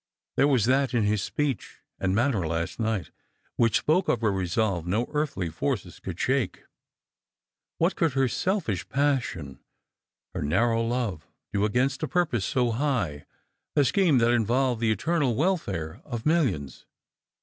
There was that in his speech and manner last night which spoke of a resolve no earthly forces could shake. AVhat could her selfish passion, her narrow love, do against a purpose so high, a scheme that involved the eternal welfare of millions